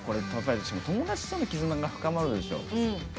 友達との絆が深まるでしょう。